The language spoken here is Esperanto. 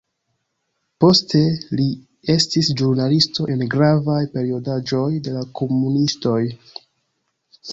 Poste li estis ĵurnalisto en gravaj periodaĵoj de la komunistoj.